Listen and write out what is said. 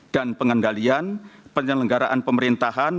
dan pengendalian penyelenggaraan pemerintahan